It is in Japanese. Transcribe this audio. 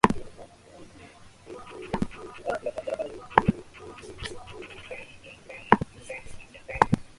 私（わたくし）がその掛茶屋で先生を見た時は、先生がちょうど着物を脱いでこれから海へ入ろうとするところであった。